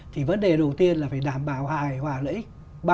thì vấn đề đầu tiên là phải đảm bảo hài hòa lợi ích